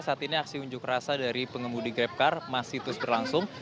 saat ini aksi unjuk rasa dari pengemudi grabcar masih terus berlangsung